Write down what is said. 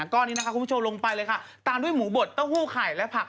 ก้อนนี้นะคะคุณผู้ชมลงไปเลยค่ะตามด้วยหมูบดเต้าหู้ไข่และผัก